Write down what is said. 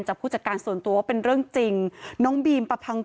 ผู้จัดการส่วนตัวว่าเป็นเรื่องจริงน้องบีมประพัง